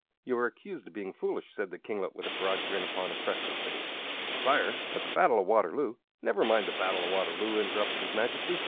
"You are accused of being foolish," said the kinglet, with a broad grin upon his freckled face. "Sire, at the battle of Waterloo " "Never mind the battle of Waterloo," interrupted his Majesty.